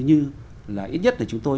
như là ít nhất là chúng tôi